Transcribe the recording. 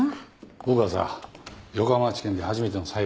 僕はさ横浜地検で初めての裁判だったから。